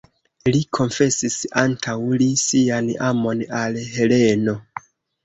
Li konfesis antaŭ li sian amon al Heleno.